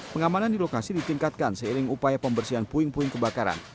pengamanan di lokasi ditingkatkan seiring upaya pembersihan puing puing kebakaran